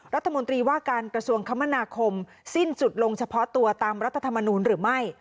รัฐมนตรีว่าการกระทรวงคมนาคมสิ้นสุดลงเฉพาะตัวตามรัฐธรรมนูลหรือไม่